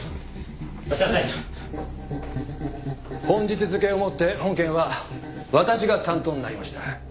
本日付をもって本件は私が担当になりました。